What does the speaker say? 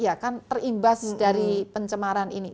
ya kan terimbas dari pencemaran ini